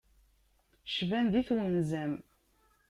Cban di twenza-m.